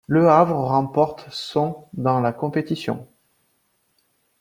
Le Havre remporte son dans la compétition.